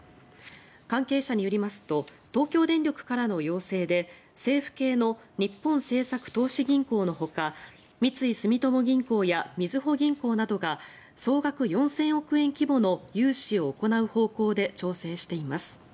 関係者によりますと東京電力からの要請で政府系の日本政策投資銀行のほか三井住友銀行やみずほ銀行などが総額４０００億円規模の融資を行う方向で調整しています。